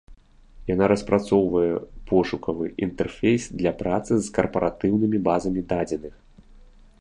Яна распрацоўвае пошукавы інтэрфейс для працы з карпаратыўнымі базамі дадзеных.